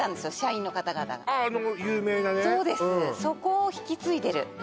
そこを引き継いでる